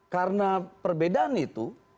karena perbedaan itu